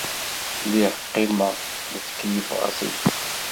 Lliɣ qqimeɣ, la ttkeyyifeɣ asebsi.